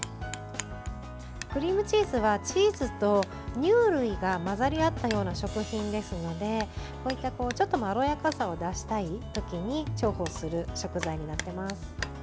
クリームチーズはチーズと乳類が混ざり合ったような食品ですのでこういったちょっとまろやかさを出したい時重宝する食材になってます。